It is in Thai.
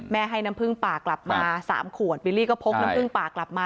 ให้น้ำผึ้งป่ากลับมา๓ขวดบิลลี่ก็พกน้ำพึ่งป่ากลับมา